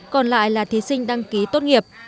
còn lại là thi sinh đăng ký tốt nghiệp